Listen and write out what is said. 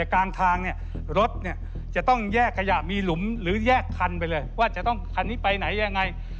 กลางทางเนี่ยรถจะต้องแยกขยะมีหลุมหรือแยกคันไปเลยว่าจะต้องคันนี้ไปไหนยังไง